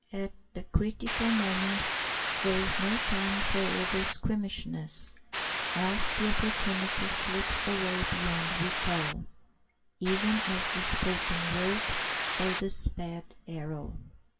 At the critical moment there is no time for over squeamishness; else the opportunity slips away beyond recall, even as the spoken word or the sped arrow.